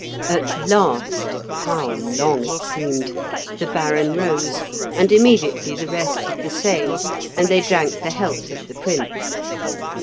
At last (how long it seemed!) the Baron rose, and immediately the rest did the same, and they drank the health of the Prince.